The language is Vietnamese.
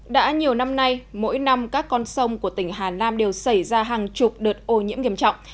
đã nhiều năm nay mỗi năm các con sông của tỉnh hà nam đều xảy ra hàng chục đợt ô nhiễm nghiêm trọng